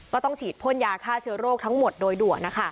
ก็ต้องฉีดพ่นยาฆ่าเชื้อโรคทั้งหมดโดยด่วน